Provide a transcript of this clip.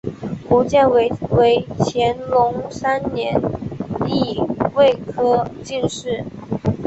胡建伟为乾隆三年己未科进士。